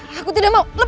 kalau aku tidak moetik